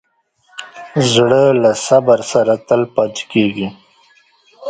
زړه د صبر سره تل پاتې کېږي.